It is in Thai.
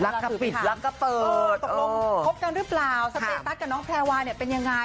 รักผิดรักกระเปิดเออตกลงคบกันรึเปล่าสเตตัสกับน้องแครวาเป็นยังไง